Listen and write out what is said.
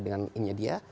dengan ininya dia